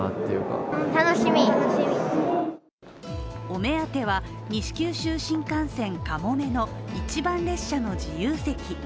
お目当ては、西九州新幹線「かもめ」の一番列車の自由席。